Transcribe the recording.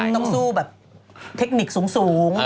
ต้องสู้แบบเทคนิคสูง